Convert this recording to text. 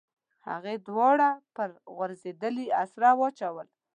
هغې دواړه پر غځېدلې اسره واچول.